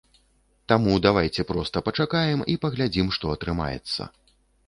Таму давайце проста пачакаем і паглядзім, што атрымаецца.